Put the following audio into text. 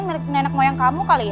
mirip nenek moyang kamu kali ya